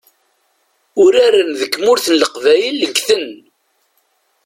Uraren deg tmurt n leqbayel ggten.